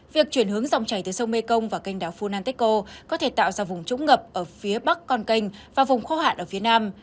việc chuyển hướng dòng chảy từ sông mekong và kênh đảo funantico có thể tạo ra vùng trúng ngập ở phía bắc con kênh và vùng khô hạn ở phía nam